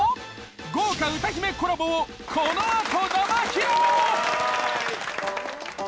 豪華歌姫コラボをこのあと。